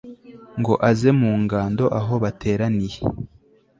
ngo aze mu ngando aho bateraniye